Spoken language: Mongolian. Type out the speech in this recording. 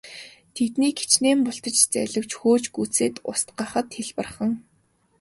Тэднийг хэчнээн бултаж зайлавч хөөж гүйцээд устгахад хялбархан.